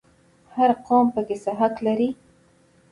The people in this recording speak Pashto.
هر قوم پکې څه حق لري؟